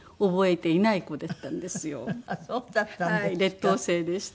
劣等生でした。